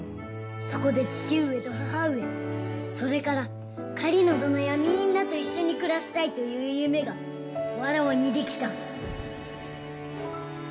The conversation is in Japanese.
そこで父上と母上それから狩野どのやみんなと一緒に暮らしたいという夢がわらわにできた。